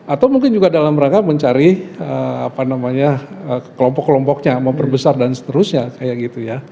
atau mungkin juga dalam rangka mencari kelompok kelompoknya memperbesar dan seterusnya kayak gitu ya